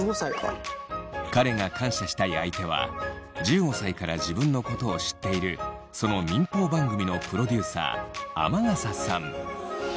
彼が感謝したい相手は１５歳から自分のことを知っているその民放番組のプロデューサー天笠さん。